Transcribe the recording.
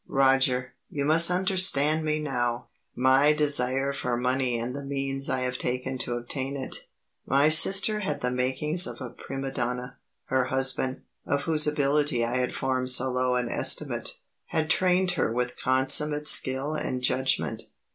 Roger, you must understand me now, my desire for money and the means I have taken to obtain it. My sister had the makings of a prima donna. Her husband, of whose ability I had formed so low an estimate, had trained her with consummate skill and judgment.